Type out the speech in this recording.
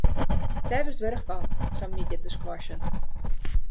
Dêr wurdst warch fan, sa'n middei te squashen.